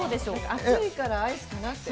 暑いからアイスかなって。